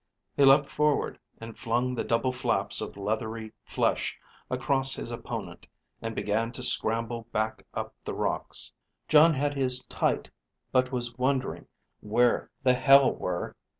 He leaped forward and flung the double flaps of leathery flesh across his opponent and began to scramble back up the rocks. Jon had his tight, but was wondering where the hell were....